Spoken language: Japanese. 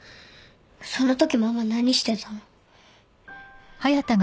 そのときママ何してたの？